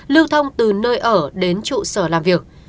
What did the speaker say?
lưu thông từ nơi ở đến trụ sở làm việc